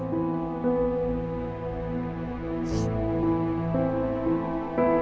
มิกัล